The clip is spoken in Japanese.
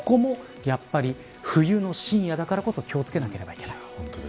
ここも、冬の深夜だからこそ気を付けなければいけない。